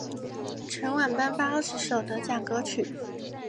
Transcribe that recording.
全晚颁发二十首得奖歌曲。